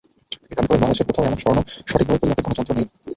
তিনি দাবি করেন, বাংলাদেশের কোথাও এসব স্বর্ণ সঠিকভাবে পরিমাপের কোনো যন্ত্র নেই।